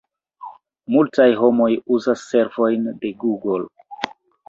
Multaj homoj uzas servojn de Google.